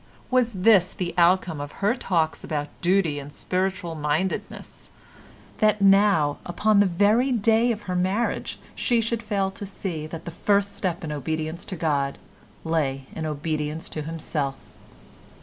Was this the outcome of her talks about duty and spiritual mindedness—that now upon the very day of her marriage she should fail to see that the first step in obedience to God lay in obedience to himself?